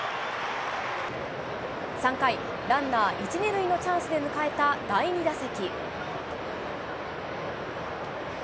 ３回、ランナー１、２塁のチャンスで迎えた第２打席。